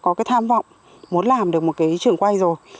có cái tham vọng muốn làm được một cái trường quay rồi